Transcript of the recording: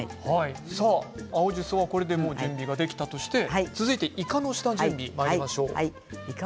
青じそは、これで準備ができたとしていかの下準備まいりましょうか。